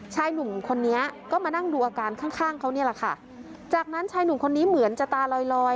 ชายหนุ่มคนนี้ก็มานั่งดูอาการข้างข้างเขานี่แหละค่ะจากนั้นชายหนุ่มคนนี้เหมือนจะตาลอยลอย